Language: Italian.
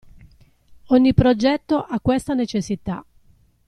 Ogni progetto ha questa necessità.